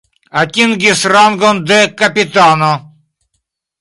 Atingis rangon de kapitano.